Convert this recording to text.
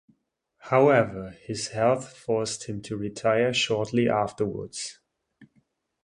However, his health forced him to retire shortly afterwards.